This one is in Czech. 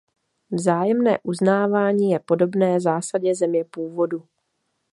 Vzájemné uznávání je podobné zásadě země původu.